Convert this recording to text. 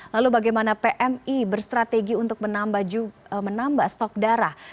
lalu bagaimana pmi berstrategi untuk menambah stok darah